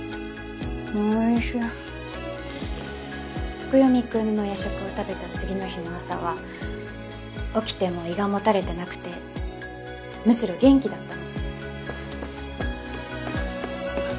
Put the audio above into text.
月読くんの夜食を食べた次の日の朝は起きても胃がもたれてなくてむしろ元気だったの。